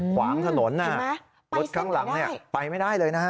ขวางถนนรถข้างหลังไปไม่ได้เลยนะฮะ